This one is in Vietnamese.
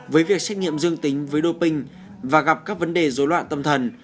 với việc xét nghiệm dương tính với đôi ping và gặp các vấn đề dối loạn tâm thần